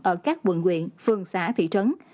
ở các quận huyện phường xã thị trấn